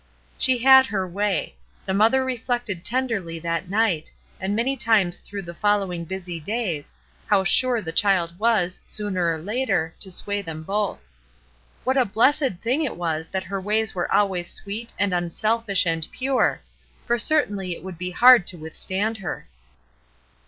^ She had her way; her mother reflected ten I derly that night, and many times through | the following busy days, how sure the child j was, sooner or later, to sway them both. What | a blessed thing it was that her ways were always | sweet and unselfish and pure, for certainly it | would be hard to withstand her.